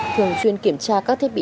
thường chuyên kiểm tra các thiết bị